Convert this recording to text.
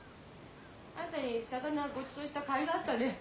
あんたに魚ごちそうしたかいがあったね。